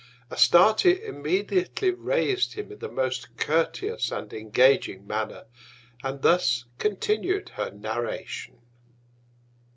Astarte immediately rais'd him in the most courteous and engaging Manner, and thus continu'd her Narration.